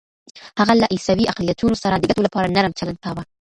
هغه له عیسوي اقلیتونو سره د ګټو لپاره نرم چلند کاوه.